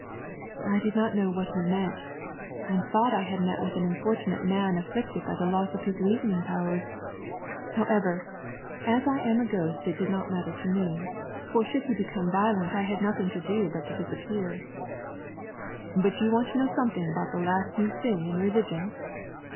I did not know what he meant, and thought I had met with an unfortunate man afflicted hy the loss of hia reasoning powers. However, as I am a ghost it did not matter to me, for should he become violent I had nothing to do but to disappear. " But you want to know something about the last new thing in religion